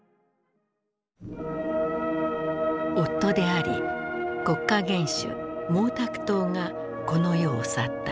夫であり国家元首毛沢東がこの世を去った。